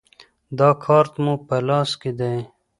دا کارت مو په لاس کې دی.